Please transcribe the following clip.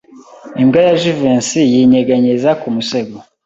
Imbwa ya Jivency yinyeganyeza ku musego.